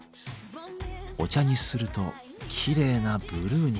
お茶にするときれいなブルーに。